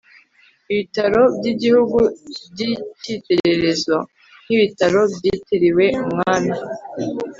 ibitaro by igihugu by ikitegererezo nk ibitaro byitiriwe umwami